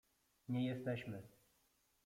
Nie jesteśmy.